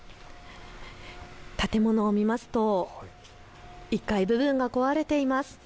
建物を見ますと１階部分が壊れています。